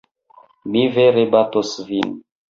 Mi vere batos vin!